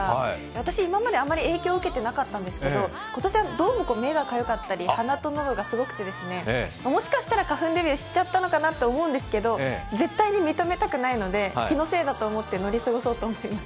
私、今まであんまり影響を受けてなかったんですけど、今年はどうも目がかゆかったり、鼻とか喉が痛いんですけど、もしかしたら花粉デビューしちゃったかなと思うんですけど絶対に認めたくないので、気のせいだと思って乗り越えようと思います。